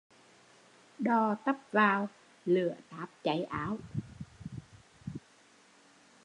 Đò tấp vào, lửa táp cháy áo